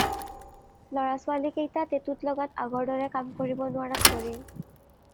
ল'ৰা-ছোৱালীকেইটা টেটুত লগাত আগৰ দৰে কাম কৰিব নোৱাৰাত পৰিল।